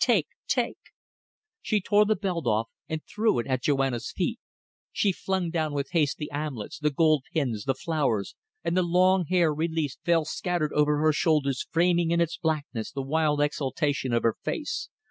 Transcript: Take, take." She tore the belt off and threw it at Joanna's feet. She flung down with haste the armlets, the gold pins, the flowers; and the long hair, released, fell scattered over her shoulders, framing in its blackness the wild exaltation of her face.